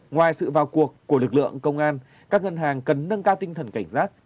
ngoài sự vào cuộc của lực lượng công an các ngân hàng cần nâng cao tinh thần cảnh giác